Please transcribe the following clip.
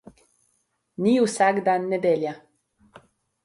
Ni vsak dan nedelja.